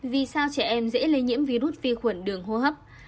vì sao trẻ em dễ lây nhiễm virus vi khuẩn đường hô hấp